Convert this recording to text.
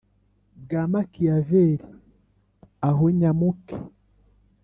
Bwa makiyaveri aho nyamuke